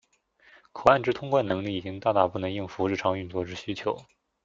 口岸之通关能力已经大大不能应付日常运作之需求。